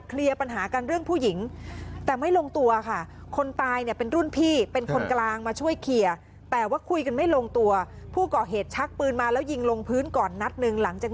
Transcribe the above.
เคลียร์ปัญหาการเรื่องผู้หญิง